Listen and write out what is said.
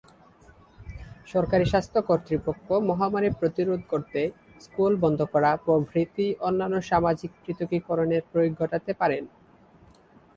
সরকারী স্বাস্থ্য কর্তৃপক্ষ মহামারী প্রতিরোধ করতে, স্কুল বন্ধ করা প্রভৃতি অন্যান্য সামাজিক পৃথকীকরণের প্রয়োগ ঘটাতে পারেন।